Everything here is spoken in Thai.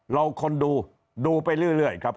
เราคนดูดูไปเรื่อยครับ